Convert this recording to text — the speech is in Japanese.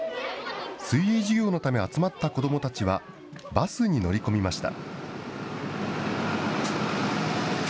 水泳授業のため集まった子どもたちは、バスに乗り込みました。